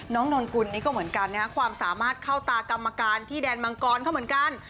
นนกุลนี่ก็เหมือนกันนะฮะความสามารถเข้าตากรรมการที่แดนมังกรเขาเหมือนกัน